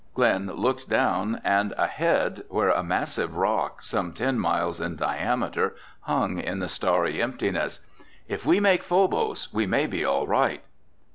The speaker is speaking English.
Glen looked down and ahead where a massive rock some ten miles in diameter hung in the starry emptiness. "If we can make Phobos, we may be all right."